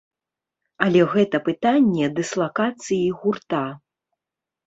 Але гэта пытанне дыслакацыі гурта.